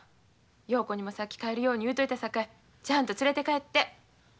陽子にもさっき帰るように言うといたさかいちゃんと連れて帰って。